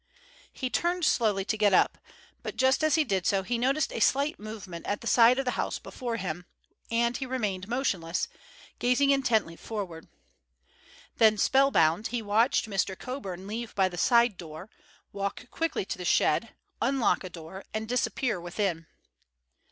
He turned slowly to get up, but just as he did so he noticed a slight movement at the side of the house before him, and he remained motionless, gazing intently forward. Then, spellbound, he watched Mr. Coburn leave by the side door, walk quickly to the shed, unlock a door, and disappear within.